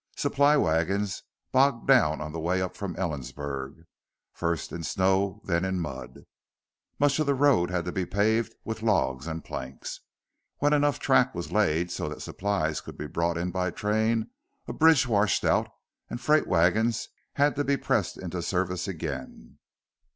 Supply wagons bogged down on the way up from Ellensburg, first in snow, then in mud. Much of the road had to be paved with logs and planks. When enough track was laid so that supplies could be brought in by train, a bridge washed out and freight wagons had to be pressed into service again.